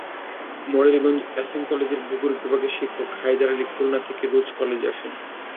Morelganj SM কলেজের ভূগোল বিভাগের শিক্ষক হায়দার আলী খুলনা থেকে রোজ কলেজে আসেন।